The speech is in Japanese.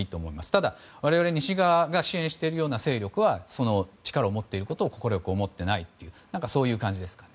ただ、我々西側が支援しているような勢力はその力を思っていることを快く思っていない感じですね。